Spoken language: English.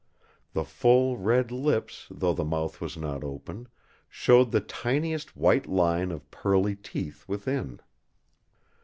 The full, red lips, though the mouth was not open, showed the tiniest white line of pearly teeth within.